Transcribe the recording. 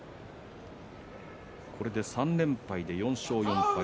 これで３連敗で４勝４敗。